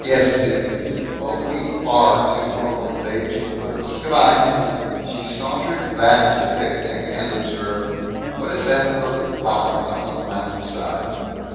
"Yes. Do. Oh, we are two forlorn babes in the woods! G' by." She sauntered back to the picnic, and observed, "What is that purple flower up on the mountain side?"